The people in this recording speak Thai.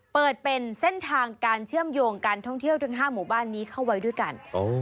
เปิดเป็นเส้นทางการเชื่อมโยงการท่องเที่ยวทั้ง๕หมู่บ้านนี้เข้าไว้ด้วยกัน